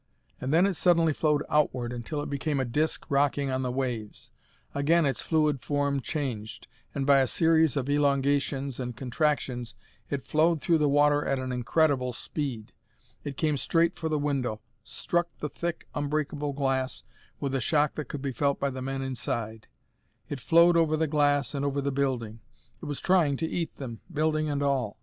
And then it suddenly flowed outward until it became a disc rocking on the waves. Again its fluid form changed, and by a series of elongations and contractions it flowed through the water at an incredible speed. It came straight for the window, struck the thick, unbreakable glass with a shock that could be felt by the men inside. It flowed over the glass and over the building. It was trying to eat them, building and all!